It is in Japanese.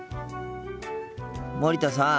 森田さん。